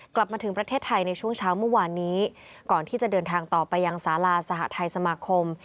กลับมาถึงประเทศไทยในช่วงเช้าเมื่อวานนี้ก่อนที่จะเดินทางต่อไปยังสาราสหทัยสมาคม